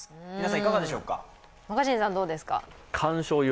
いかがでしょうか。